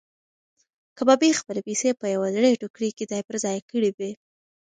کبابي خپلې پیسې په یوې زړې ټوکرۍ کې ځای پر ځای کړې وې.